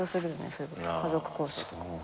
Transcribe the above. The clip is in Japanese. そういう家族構成とか。